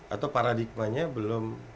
atau paradigmanya belum